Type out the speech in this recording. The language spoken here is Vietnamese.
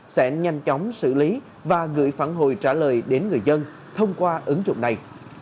sẽ nhanh chóng xử lý và gửi phản hồi trả lời đến người dân thông qua ứng dụng này